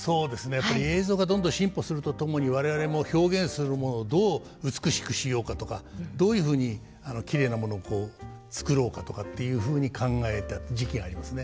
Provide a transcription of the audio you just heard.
やっぱり映像がどんどん進歩するとともに我々も表現するものをどう美しくしようかとかどういうふうにきれいなものを作ろうかとかっていうふうに考えた時期がありますね。